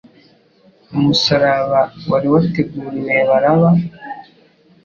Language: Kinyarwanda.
umusaraba wari wateguriwe Baraba.